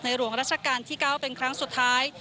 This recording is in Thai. หลวงราชการที่๙เป็นครั้งสุดท้าย